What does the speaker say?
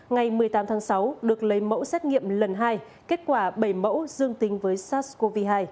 ngày một mươi tám tháng sáu được lấy mẫu xét nghiệm lần hai kết quả bảy mẫu dương tính với sars cov hai